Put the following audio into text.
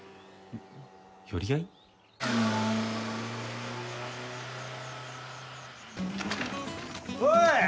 寄り合い？おい！